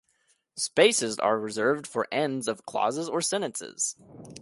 Spaces are reserved for ends of clauses or sentences.